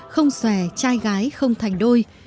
không xòe trai gái không thành đôi